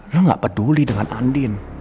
lo gak peduli dengan andin